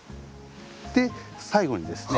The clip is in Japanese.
最後にですね